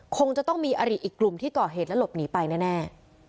คงจะต้องมีอริอีกกลุ่มที่ก่อเหตุและหลบหนีไปแน่